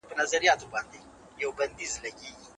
دی په خپل همت سره د هرې ستونزې مقابله کوي.